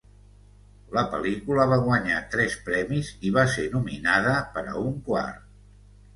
La pel·lícula va guanyar tres premis i va ser nominada per a un quart.